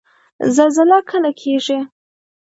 زلزله کله کیږي؟